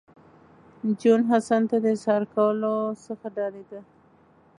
جون حسن ته د اظهار کولو څخه ډارېده